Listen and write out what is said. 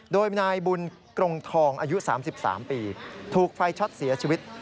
โดยนายบุญกรงทองอายุ๓๓ปีถูกไฟช็อตเสียชีวิต